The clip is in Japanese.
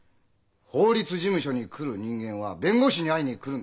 法律事務所に来る人間は弁護士に会いに来るんだ。